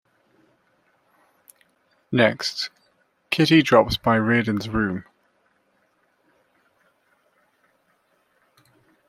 Next, Kitty drops by Reardon's room.